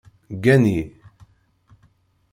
Ggani!